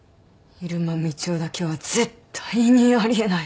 入間みちおだけは絶対にあり得ない。